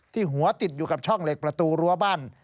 หัวติดอยู่กับช่องเหล็กประตูรั้วบ้าน